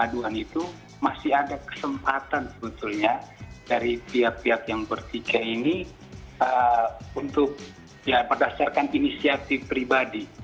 dan itu masih ada kesempatan sebetulnya dari pihak pihak yang bertiga ini untuk ya berdasarkan inisiatif pribadi